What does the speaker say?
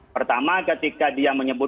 pertama ketika dia menyebut